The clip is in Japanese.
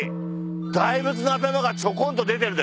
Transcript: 大仏の頭がちょこんと出てるでしょ？